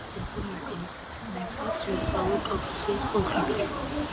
ტერიტორია განეკუთვნება ცენტრალურ კავკასიას, კოლხეთის